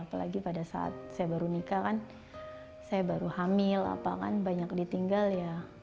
apalagi pada saat saya baru nikah kan saya baru hamil apa kan banyak ditinggal ya